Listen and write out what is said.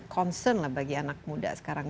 concern lah bagi anak muda sekarang